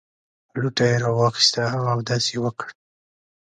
لوټه یې راواخیسته او اودس یې وکړ.